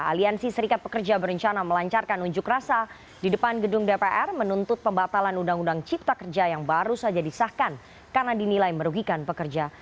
aliansi serikat pekerja berencana melancarkan unjuk rasa di depan gedung dpr menuntut pembatalan undang undang cipta kerja yang baru saja disahkan karena dinilai merugikan pekerja